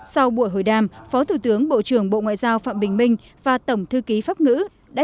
sau buổi hội đàm phó thủ tướng bộ trưởng bộ ngoại giao phạm bình minh và tổng thư ký pháp ngữ đã